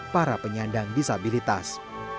para penyandang disabilitas